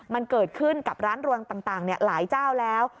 มันเกิดขึ้นกับร้านรวงต่างหลายเจ้าแล้ว